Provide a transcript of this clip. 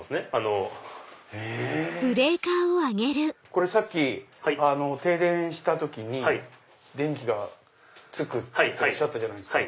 これさっき停電した時に電気がつくっておっしゃったじゃないですか。